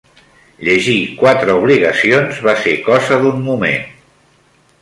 Llegir quatre obligacions, va ser cosa d'un moment.